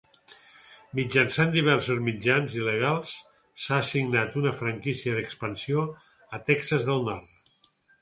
Mitjançant diversos mitjans il·legals, s'ha assignat una franquícia d'expansió a Texas del Nord.